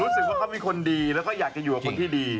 รู้สึกว่าเขามีคนดีแล้วก็อยากจะอยู่กับคนที่ดี